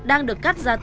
à tức là